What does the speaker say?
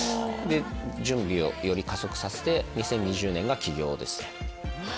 準備をより加速させて２０２０年が起業です。